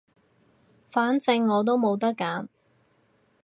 反正我都冇得揀